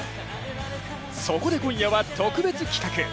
そこで今夜は特別企画。